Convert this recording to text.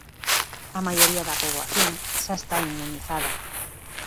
A maioría da poboación xa está inmunizada.